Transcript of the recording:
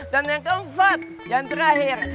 dan yang keempat yang terakhir